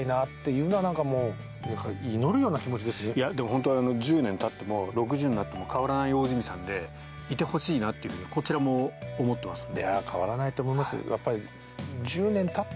本当、１０年たっても６０になっても変わらない大泉さんでいてほしいなというふうにこちらも思ってますんで。